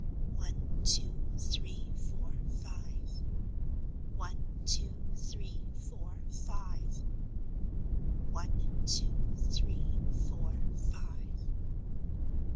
"One, two, three, four, five. One, two, three, four, five. One, two, three, four, five."